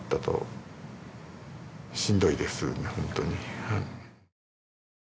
しんどいです本当に。